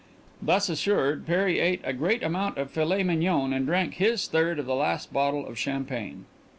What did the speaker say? Thus assured, Perry ate a great amount of filet mignon and drank his third of the last bottle of champagne.